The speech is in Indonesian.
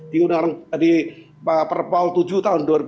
di perpol tujuh tahun dua ribu dua